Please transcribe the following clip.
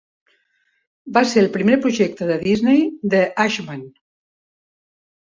Va ser el primer projecte de Disney de Ashman.